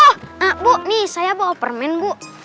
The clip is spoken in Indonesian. oh bu nih saya bawa permen bu